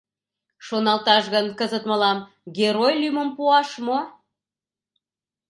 Шоналташ гын, кызыт мылам Герой лӱмым пуаш мо?